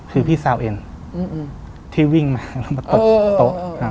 คือพี่ซาวเอนอืมอืมที่วิ่งมาเออเออเออเออเออเออ